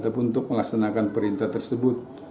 ataupun untuk melaksanakan perintah tersebut